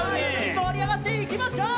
もりあがっていきましょう！